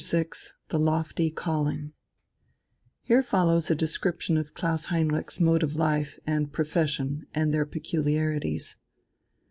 VI THE LOFTY CALLING Here follows a description of Klaus Heinrich's mode of life and profession and their peculiarities.